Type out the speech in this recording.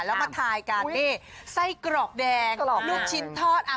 แล้วมาทายกันนี่ไส้กรอกแดงลูกชิ้นทอด